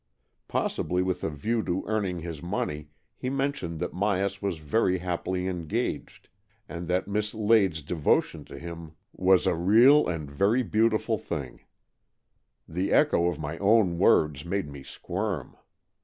Possibly with a view to earning his money, he mentioned that Myas was very happily engaged, and that Miss Lade's devotion to him was a real and very 126 AN EXCHANGE OF SOULS beautiful thing. The echo of my own words made me squirm.